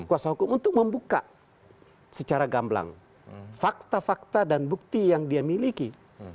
kuasa hukum untuk membuka secara gamblang fakta fakta dan bukti yang dia miliki